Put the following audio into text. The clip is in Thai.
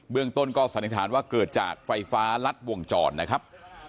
เรื่องต้นก็สันนิษฐานว่าเกิดจากไฟฟ้ารัดวงจรนะครับ